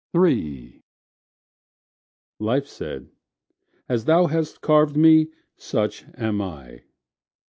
III Life said, As thou hast carved me, such am I.